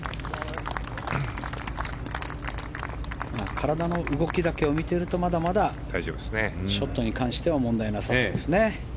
体の動きだけを見ているとまだまだショットに関しては問題なさそうですね。